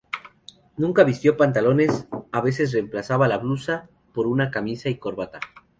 Nunca vistió pantalones, a veces reemplazaba la blusa por una camisa y corbata.